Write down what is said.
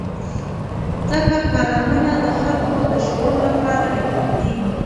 ځکه کالمونه د خلکو د شعور لپاره لیکل کېږي.